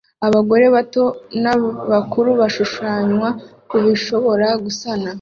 Abagore bato n'abakuru bashushanywa kubishobora gusabana